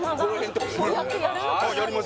こうやってやる？